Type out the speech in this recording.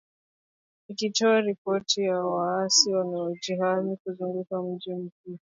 ikitoa ripoti za waasi wanaojihami kuzunguka mji mkuu